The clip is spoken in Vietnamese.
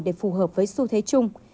để phù hợp với xu thế chung